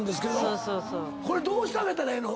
これどうしてあげたらええの？